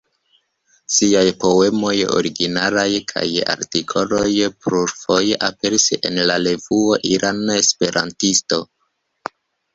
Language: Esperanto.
Ŝiaj poemoj originalaj kaj artikoloj plurfoje aperis en la revuo "Irana Esperantisto".